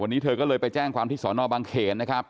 วันนี้เธอก็เลยไปแจ้งความที่สอนอบางเขนนะครับ